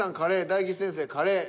大吉先生「カレー」。